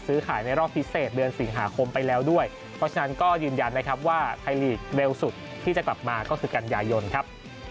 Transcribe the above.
ตามที่กำหนดไปแล้วว่าเราจะกลับมาเดือนกันยายนนะครับ